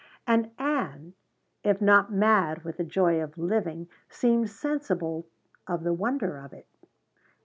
And Ann, if not mad with the joy of living, seemed sensible of the wonder of it.